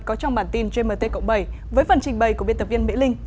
có trong bản tin gmt cộng bảy với phần trình bày của biên tập viên mỹ linh